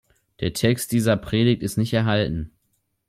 Der Text dieser Predigt ist nicht erhalten.